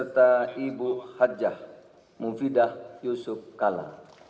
dan ibu haji mufidah yusuf kala